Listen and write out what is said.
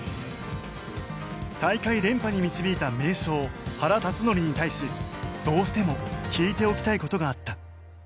大会連覇に導いた名将原辰徳に対しどうしても聞いておきたい事があった。